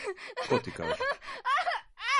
Ко ти каже?